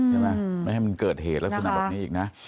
ใช่ไหมไม่ให้มันเกิดเหตุแล้วสนามแบบนี้อีกน่ะ